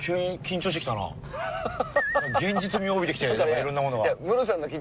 現実味を帯びてきていろんなものが。